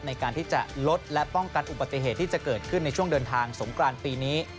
ในการที่จะลดและป้องกันอุบัติเหตุที่จะเกิดขึ้นในช่วงเดินทางสงกรานปีนี้